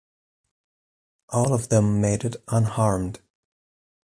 All of them made it unharmed.